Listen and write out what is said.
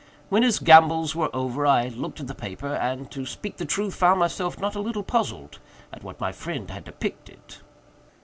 When his gambols were over, I looked at the paper, and, to speak the truth, found myself not a little puzzled at what my friend had depicted.